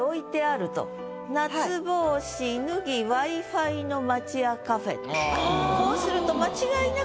「夏帽子ぬぎＷｉ−Ｆｉの町屋カフェ」と。